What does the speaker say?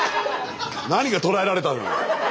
何が捕らえられたのよ。